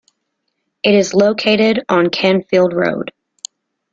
It is located on Canfield Rd.